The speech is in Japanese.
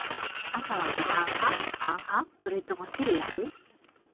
朝はご飯派？パン派？それともシリアル？